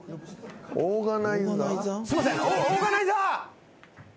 すいませんオーガナイザー！